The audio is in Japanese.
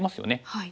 はい。